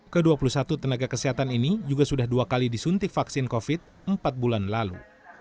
ke dua puluh satu tenaga kesehatan ini juga sudah dua kali disuntik vaksin covid sembilan belas empat bulan lalu